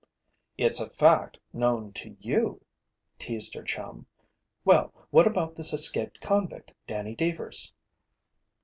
"It's a fact known to you," teased her chum. "Well, what about this escaped convict, Danny Deevers?"